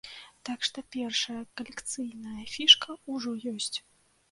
Так што першая калекцыйная фішка ўжо ёсць.